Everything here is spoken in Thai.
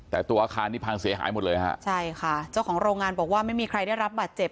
แต่ตัวอาคารนี้พังเสียหายหมดเลยฮะใช่ค่ะเจ้าของโรงงานบอกว่าไม่มีใครได้รับบาดเจ็บ